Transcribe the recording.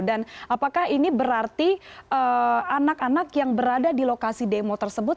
dan apakah ini berarti anak anak yang berada di lokasi demo tersebut